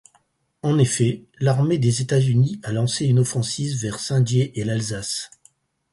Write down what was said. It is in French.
En effet, l'armée des États-Unis a lancé une offensive vers Saint-Dié et l'Alsace.